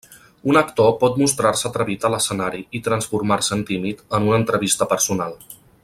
Un actor pot mostrar-se atrevit a l'escenari i transformar-se en tímid en una entrevista personal.